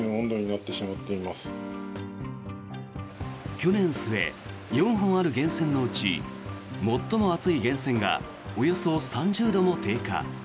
去年末、４本ある源泉のうち最も熱い源泉がおよそ３０度も低下。